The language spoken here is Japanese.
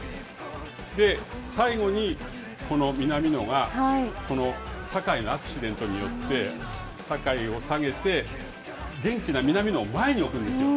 最後にこの南野が、この酒井のアクシデントによって、酒井を下げて、元気な南野を前に置くんですよ。